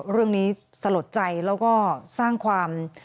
เรื่องนี้สะหรับใจแล้วก็สร้างความ